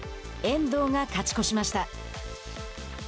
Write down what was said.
遠藤が勝ち越しました。